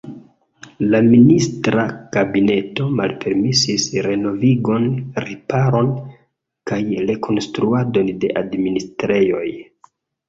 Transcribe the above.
La ministra kabineto malpermesis renovigon, riparon kaj rekonstruadon de administrejoj.